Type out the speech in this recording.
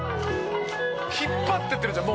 「引っ張っていってるじゃん！